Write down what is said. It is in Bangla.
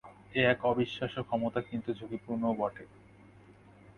এ এক অবিশ্বাস্য ক্ষমতা, কিন্তু ঝুঁকিপূর্ণ ও বটে।